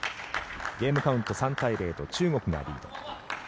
ゲームカウント３対０と中国がリード。